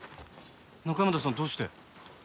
中山田さんどうして？